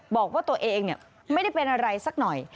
บอกว่าตัวเองไม่ได้เป็นอะไรสักหน่อย